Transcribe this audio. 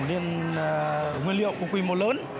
nguyên liệu của quy mô lớn